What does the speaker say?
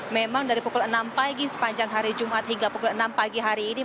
memang dari pukul enam pagi sepanjang hari jumat hingga pukul enam pagi hari ini